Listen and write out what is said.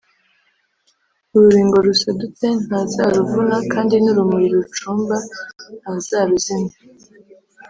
Urubingo rusadutse ntazaruvuna kandi n urumuri rucumba ntazaruzimya